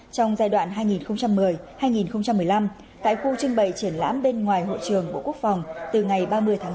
trong giai đoạn hai nghìn một mươi hai nghìn một mươi năm tại khu trưng bày triển lãm bên ngoài hội trường bộ quốc phòng từ ngày ba mươi tháng sáu